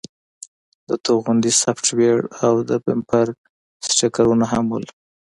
د توغندي سافټویر او د بمپر سټیکرونه هم وو